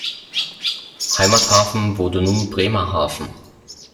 Heimathafen wurde nun Bremerhaven.